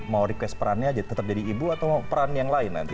mau request perannya aja tetap jadi ibu atau mau peran yang lain nanti